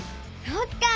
そっか！